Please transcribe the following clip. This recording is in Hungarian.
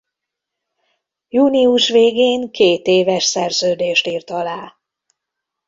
Június végén kétéves szerződést írt alá.